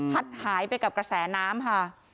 หายไปกับกระแสน้ำค่ะ